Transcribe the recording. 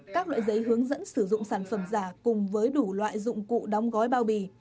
các loại giấy hướng dẫn sử dụng sản phẩm giả cùng với đủ loại dụng cụ đóng gói bao bì